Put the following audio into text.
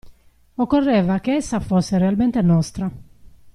Occorreva che essa fosse realmente nostra!